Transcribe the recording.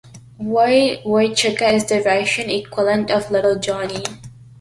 Vovochka is the Russian equivalent of "Little Johnny".